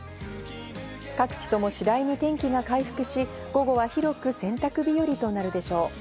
各地とも次第に天気が回復し、午後は広く洗濯日和となるでしょう。